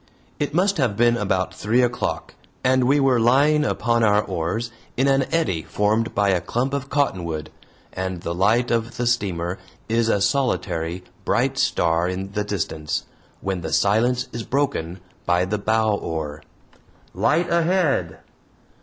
It must have been about three o'clock, and we were lying upon our oars in an eddy formed by a clump of cottonwood, and the light of the steamer is a solitary, bright star in the distance, when the silence is broken by the "bow oar": "Light ahead."